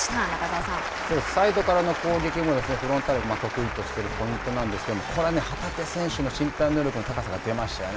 サイドからの攻撃もフロンターレが得意としているポイントなんですけどもここは旗手選手の身体能力の高さが出ましたね。